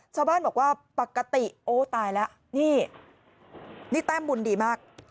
ชาวบ้านบอกว่าปกติโอ้ตายแล้วนี่นี่แต้มบุญดีมาก